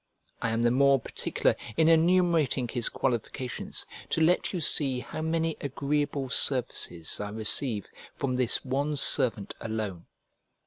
I am the more particular in enumerating his qualifications, to let you see how many agreeable services I receive from this one servant alone.